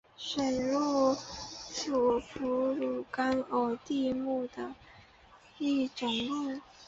水鹿属哺乳纲偶蹄目的一种鹿。